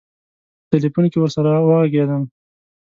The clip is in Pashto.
په تیلفون کې ورسره وږغېدم.